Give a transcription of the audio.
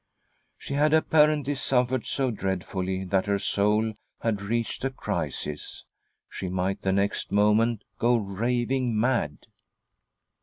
She had apparently suffered . so dreadfully that her soul had reached a crisis ; she might the next moment go raving : mad.